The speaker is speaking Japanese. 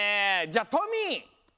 じゃあトミー！